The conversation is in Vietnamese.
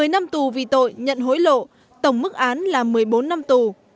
một mươi năm tù vì tội nhận hối lộ tổng mức án là một mươi bốn năm tù